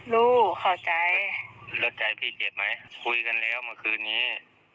เข้าใจแล้วใจพี่เจ็บไหมคุยกันแล้วเมื่อคืนนี้